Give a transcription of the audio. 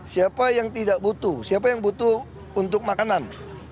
siapa yang tidak butuh siapa yang butuh untuk makanan